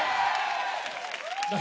何？